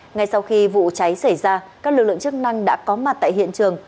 ngay sau khi vụ cháy xảy ra các lực lượng chức năng đã có mặt tại hiện trường